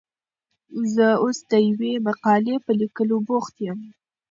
زه اوس د یوې مقالې په لیکلو بوخت یم.